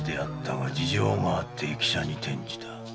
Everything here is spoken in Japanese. が事情があって易者に転じた。